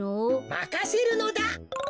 まかせるのだ。